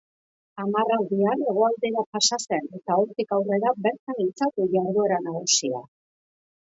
Hamarraldian hegoaldera pasa zen eta hortik aurrera bertan izan du jarduera nagusia.